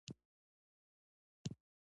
باد کله کله د بدلون نښه وي